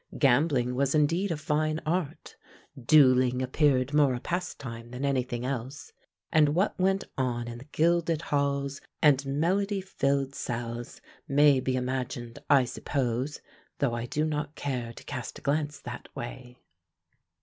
Gambling was indeed a fine art, duelling appeared more a pastime than anything else, and what went on in the gilded halls and melody filled salles may be imagined, I suppose, though, I do not care to cast a glance that way.